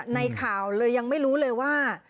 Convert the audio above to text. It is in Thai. ในข่าวเลยยังไม่รู้เลยว่า